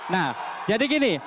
nah jadi gini